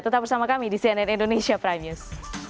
tetap bersama kami di cnn indonesia prime news